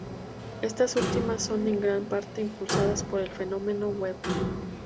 Estas últimas son en gran parte impulsadas por el fenómeno web.